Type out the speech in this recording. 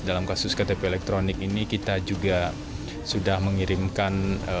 dalam kasus ktp elektronik ini kita juga sudah mengirimkan